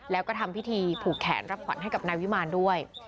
แล้วก็ทำพิธีผูกแขนรับขวัญให้กับนายวิมารด้วย